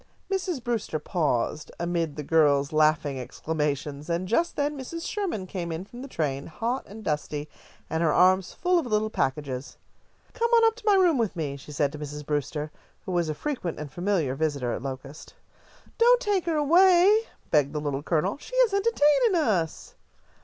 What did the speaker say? Mrs. Brewster paused amid the girls' laughing exclamations, and just then Mrs. Sherman came in from the train, hot and dusty, and her arms full of little packages. "Come on up to my room with me," she said to Mrs. Brewster, who was a frequent and familiar visitor at Locust. "Don't take her away," begged the Little Colonel, "she is entertaining us."